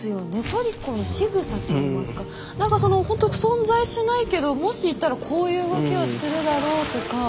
トリコのしぐさっていいますか何かそのほんと存在しないけどもしいたらこういう動きはするだろうとか。